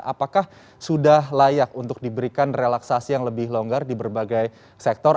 apakah sudah layak untuk diberikan relaksasi yang lebih longgar di berbagai sektor